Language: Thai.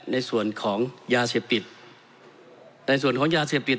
ในส่วนของยาเสพติดในส่วนของยาเสพติด